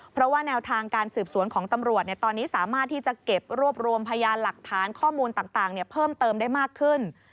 เพราะว่าแนวทางการสืบสวนของตำรวจตอนนี้สามารถที่จะเก็บรวบรวมพยานหลักฐานข้อมูลต่างเพิ่มเติมได้มากขึ้น